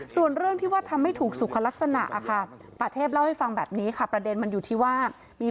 ส่วนเรื่องที่ว่าทำไม่ถูกสุขลักษณะอ่ะค่ะ